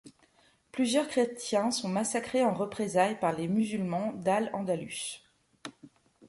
Plusieurs chrétiens sont massacrés en représailles par les musulmans d'Al-Andalus.